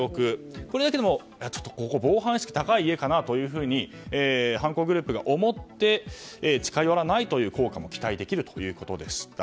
これだけでも防犯意識高い家かなと犯行グループが思って近寄らないという効果も期待できるということでした。